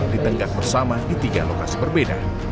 ditenggak bersama di tiga lokasi berbeda